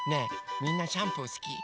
みんなシャンプーすき？